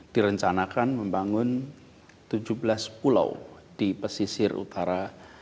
direncanakan membangun tujuh belas pulau di pesisir utara